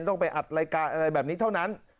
ต้องไปอัดรายการอะไรแบบนี้เท่านั้น